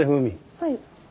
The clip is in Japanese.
はい。